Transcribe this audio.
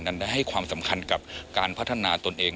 นั้นได้ให้ความสำคัญกับการพัฒนาตนเอง